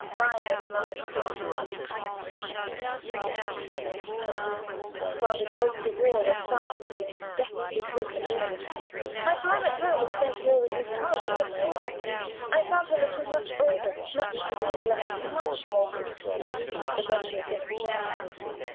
Mine was among the hearts which panted and beat with sickening terror in England while the dogs of war were fastened in deadly grip abroad. My time at home was spent more with Miss Hallam than in my own home. I found her looking much older, much feebler, and much more subdued than when she had been in Germany.